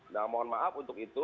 nah mohon maaf untuk itu